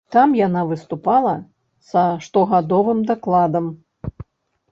Там яна выступала са штогадовым дакладам.